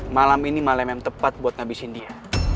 malam ini malam yang tepat buat ngabisin dia